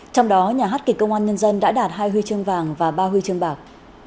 trong đó nhà hát kịch công an nhân dân đã đạt hai huy chương vàng và ba huy chương bạc